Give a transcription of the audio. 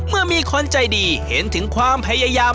เมื่อมีคนใจดีเห็นถึงความพยายาม